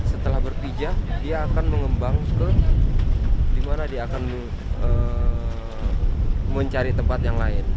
setelah berpijak dia akan mengembang ke dimana dia akan mencari tempat yang lain